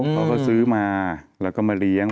เขาก็ซื้อมาแล้วก็มาเลี้ยง